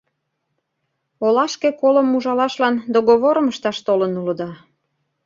Олашке колым ужалашлан договорым ышташ толын улыда.